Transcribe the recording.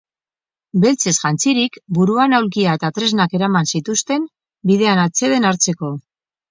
Beltzez jantzirik, buruan aulkia eta tresnak eramaten zituzten, bidean atseden hartzeko.